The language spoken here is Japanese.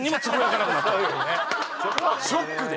ショックで。